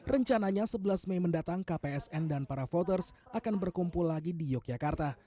rencananya sebelas mei mendatang kpsn dan para voters akan berkumpul lagi di yogyakarta